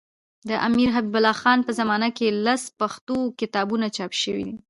د امیرحبیب الله خان په زمانه کي لس پښتو کتابونه چاپ سوي دي.